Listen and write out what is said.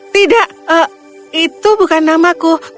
tidak itu bukan namaku